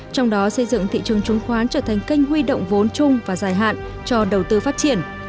trong đó xây dựng thị trường chứng khoán trở thành kênh huy động vốn chung và dài hạn cho đầu tư phát triển